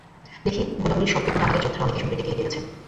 দেখি, গোলাগুলির শব্দ শুনে আমাদের যোদ্ধারা অনেকেই শহরের দিকে এগিয়ে গেছে।